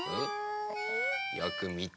よくみて。